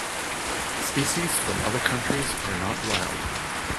Species from other countries are not wild.